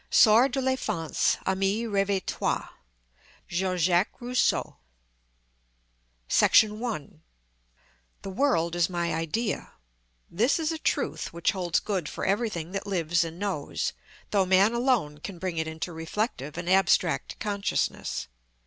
Sors de l'enfance, ami réveille toi! —Jean Jacques Rousseau. § 1. "The world is my idea:"—this is a truth which holds good for everything that lives and knows, though man alone can bring it into reflective and abstract consciousness.